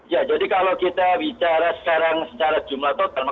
ya jadi kalau kita bicara sekarang secara jumlah total maka jawa timur